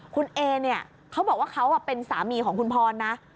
คุณเอเนี่ยเขาบอกว่าเขาเป็นสามีของคุณพรนะ